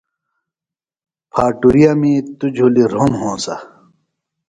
پھاٹُریومی توۡ جُھلیۡ رھم ہونسہ۔